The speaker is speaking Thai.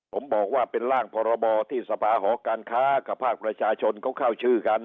ผมบอกว่าเป็นร่างพรบที่สภาหอการค้ากับภาคประชาชนเขาเข้าชื่อกัน